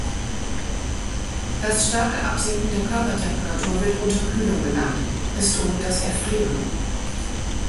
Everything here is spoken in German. Das starke Absinken der Körpertemperatur wird Unterkühlung genannt, es droht das Erfrieren.